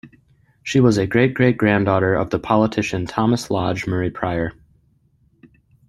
She was a great-great-granddaughter of the politician Thomas Lodge Murray-Prior.